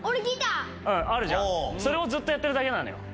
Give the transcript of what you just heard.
それをずっとやってるだけなのよ。